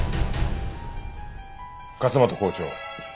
勝又校長